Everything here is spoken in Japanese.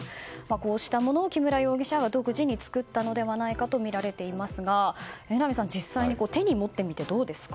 こうしたものを木村容疑者は独自に作ったのではないかとみられていますが榎並さん、実際に手に持ってみてどうですか？